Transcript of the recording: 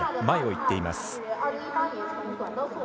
前を行っています。